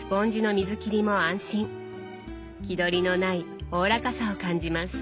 気取りのないおおらかさを感じます。